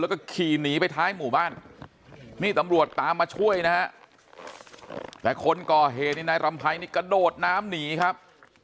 แล้วก็ขี่หนีไปท้ายหมู่บ้านนี่ตำรวจตามมาช่วยนะฮะแต่คนก่อเหตุนี่นายรำไพรนี่กระโดดน้ำหนีครับ